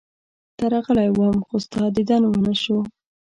درغلی وم، خو ستا دیدن ونه شو.